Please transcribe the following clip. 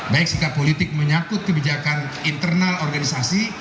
baik sikap politik menyakut kebijakan internal organisasi